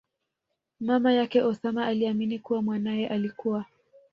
mama yake Osama aliamini kuwa mwanaye alikua